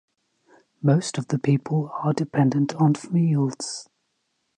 Most of the people are dependent on fields.